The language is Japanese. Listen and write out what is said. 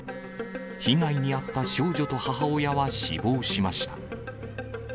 被害に遭った少女と母親は死亡しました。